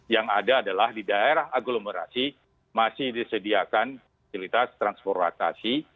yang ada adalah di daerah agglomerasi masih disediakan fasilitas transportasi